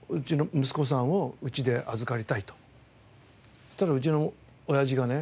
そしたらうちの親父がね